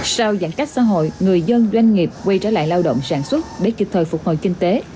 sau giãn cách xã hội người dân doanh nghiệp quay trở lại lao động sản xuất để kịp thời phục hồi kinh tế